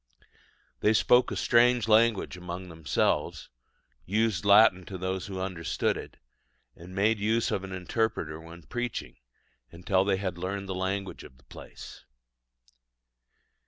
They spoke a strange language among themselves, used Latin to those who understood it, and made use of an interpreter when preaching, until they had learned the language of the place.